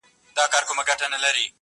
ماما خېل یې په ځنګله کي یابوګان وه.!